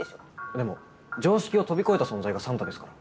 でも常識を飛び越えた存在がサンタですから。